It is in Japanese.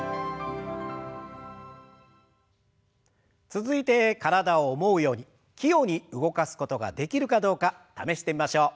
続いて体を思うように器用に動かすことができるかどうか試してみましょう。